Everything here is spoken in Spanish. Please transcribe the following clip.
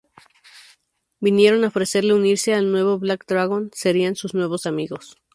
Vinieron a ofrecerle unirse al nuevo Black Dragon, serían sus nuevos amigos.